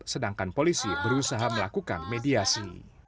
sedangkan polisi berusaha melakukan mediasi